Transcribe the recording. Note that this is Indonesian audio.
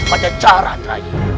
pada jarak rai